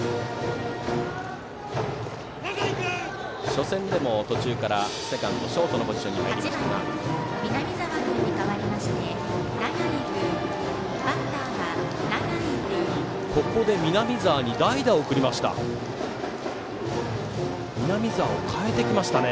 初戦でも途中からセカンド、ショートのポジションに入っていました、峯。